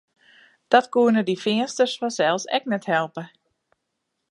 Dat koenen dy Feansters fansels ek net helpe.